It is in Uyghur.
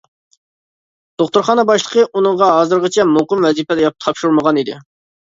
دوختۇرخانا باشلىقى ئۇنىڭغا ھازىرغىچە مۇقىم ۋەزىپە تاپشۇرمىغان ئىدى.